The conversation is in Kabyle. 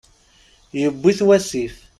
Yewwi-t wasif.